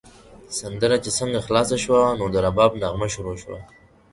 سندره چې څنګه خلاصه شوه، نو د رباب نغمه شروع شوه.